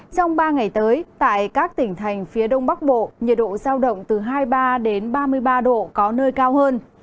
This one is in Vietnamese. trong ba ngày tới tại các tỉnh thành phía đông bắc bộ nhiệt độ giao động từ hai mươi ba ba mươi ba độ có nơi cao hơn